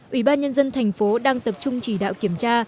ủy ban nhân dân thành phố đang tập trung chỉ đạo kiểm tra